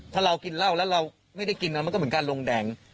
ถ้าเรากินเล่าแล้วเรามันก็เหมือนการลงแด็ง